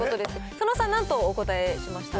佐野さん、なんとお答えしましたか？